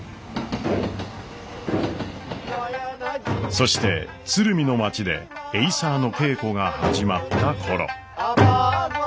そして鶴見の町でエイサーの稽古が始まった頃。